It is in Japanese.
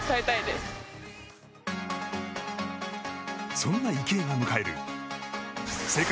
そんな池江が迎える世界